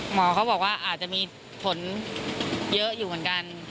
หมอเขาบอกว่าอาจจะมีผลเยอะอยู่เหมือนกัน